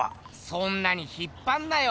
そんなに引っぱんなよ！